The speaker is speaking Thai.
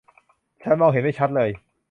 ฉันมองเห็นไม่ชัดเลย